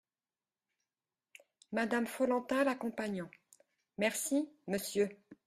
Madame Follentin l’accompagnant. — Merci, Monsieur !